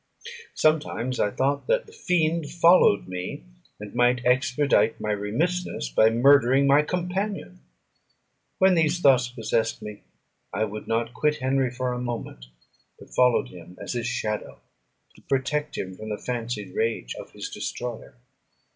Sometimes I thought that the fiend followed me, and might expedite my remissness by murdering my companion. When these thoughts possessed me, I would not quit Henry for a moment, but followed him as his shadow, to protect him from the fancied rage of his destroyer.